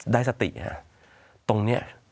ได้สติตรงนี้